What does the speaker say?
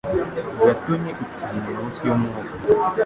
yatonye ikintu munsi yumwuka